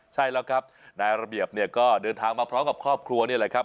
ใช่แล้วครับนายระเบียบเนี่ยก็เดินทางมาพร้อมกับครอบครัวนี่แหละครับ